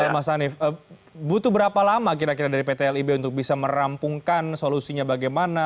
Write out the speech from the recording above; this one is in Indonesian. mas hanif butuh berapa lama kira kira dari pt lib untuk bisa merampungkan solusinya bagaimana